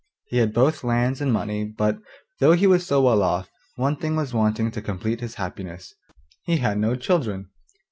He had both lands and money, but, though he was so well off, one thing was wanting to complete his happiness; he had no children.